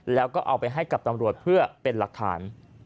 แล้วก็เอาไปให้กับตำรวจเพื่อเป็นหลักฐาน